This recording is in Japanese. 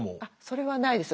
それはないです。